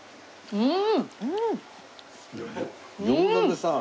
うん！